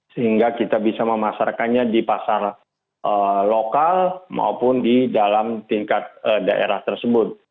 sehingga kita bisa memasarkannya di pasar lokal maupun di dalam tingkat daerah tersebut